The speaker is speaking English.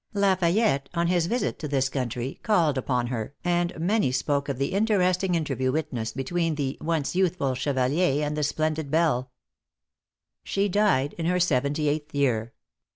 La Fayette, on his visit to this country, called upon her, and many spoke of the interesting interview witnessed between "the once youthful chevalier and the splendid belle." She died in her seventy eighth year.